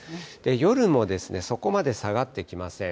夜もそこまで下がってきません。